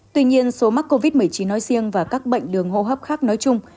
tuy nhiên số mắc covid một mươi chín nói riêng và các bệnh đường hô hấp khác nói chung